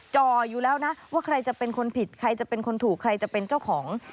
จ่ออยู่แล้วนะว่าใครจะเป็นคนผิดใครจะเป็นคนถูกใครจะเป็นเจ้าของ